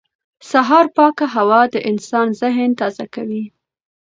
سهار پاکه هوا د انسان ذهن تازه کوي